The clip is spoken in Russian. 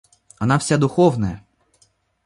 Она вся духовная...